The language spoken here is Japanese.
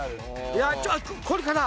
いやあこれかな？